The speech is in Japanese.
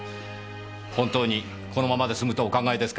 本当にこのままで済むとお考えですか？